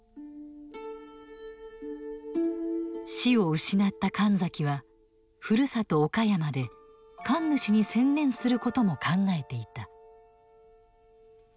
師を失った神崎はふるさと岡山で神主に専念することも考えていた。